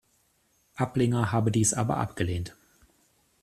Ablinger habe dies aber abgelehnt.